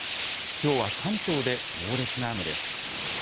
きょうは関東で猛烈な雨です。